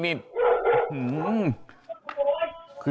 นี่อื้อ